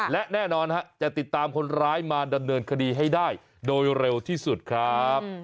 และแน่นอนจะติดตามคนร้ายมาดำเนินคดีให้ได้โดยเร็วที่สุดครับ